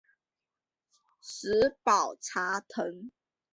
石宝茶藤